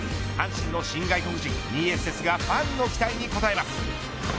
阪神の新外国人ミエセスがファンの期待に応えます。